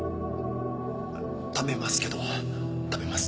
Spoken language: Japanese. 食べますけど食べます。